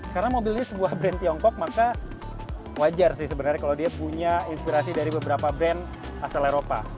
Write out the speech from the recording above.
karena mobilnya sebuah brand tiongkok maka wajar sih sebenarnya kalau dia punya inspirasi dari beberapa brand asal eropa